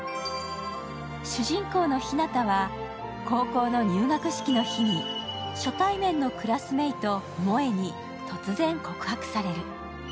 主人公の日向は高校の入学式の日に初対面のクラスメート萌に突然、告白される。